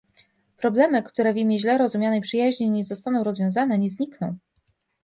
Problemy, które w imię źle rozumianej przyjaźni nie zostaną rozwiązane, nie znikną